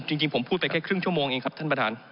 จริงผมพูดไปแค่ครึ่งชั่วโมงเองครับท่านประธาน